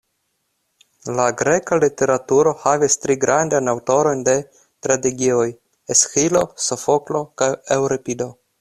La greka literaturo havis tri grandajn aŭtorojn de tragedioj: Esĥilo, Sofoklo kaj Eŭripido.